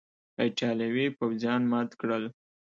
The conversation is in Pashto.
ایټالوي پوځیان مات کړل.